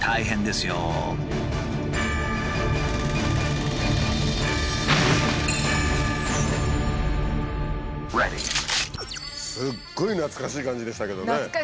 すっごい懐かしい感じでしたけどね。